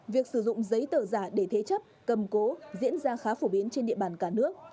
việc sử dụng giấy tờ giả để thế chấp cầm cố diễn ra khá phổ biến trên địa bàn cả nước